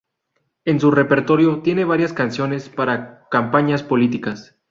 En su repertorio tiene varias canciones para campañas políticas.